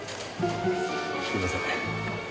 すいません。